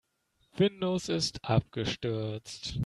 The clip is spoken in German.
Windows ist abgestürzt.